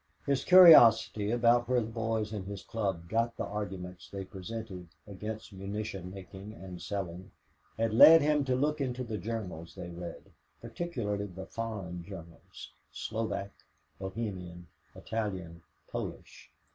His curiosity about where the boys in his club got the arguments they presented against munition making and selling had led him to look into the journals they read, particularly the foreign journals Slovak, Bohemian, Italian, Polish.